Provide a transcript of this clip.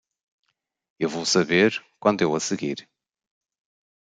Eu vou saber quando eu a seguir.